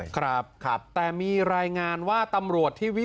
ได้ยินเต็มกินอะไรยังไงดังยังไง